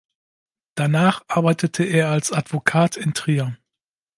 Danach arbeitete er als Advokat in Trier.